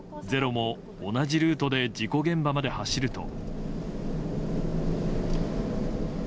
「ｚｅｒｏ」も同じルートで事故現場まで走ると。